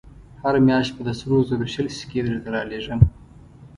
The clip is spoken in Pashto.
هره مياشت به د سرو زرو شل سيکې درته رالېږم.